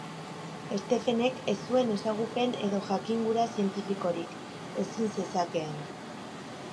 Stephenek ez zuen ezagupen edo jakingura zientifikorik, ezin zezakeen.